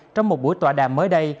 trong một buổi tòa đàm mới đây